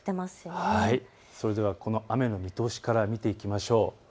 それでは雨の見通しから見ていきましょう。